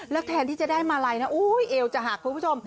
แล้วแทนที่จะได้มาลัยนะเอวจะหักคุณผู้ชม